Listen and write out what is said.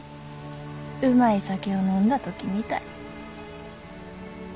うまい酒を飲んだ時みたい。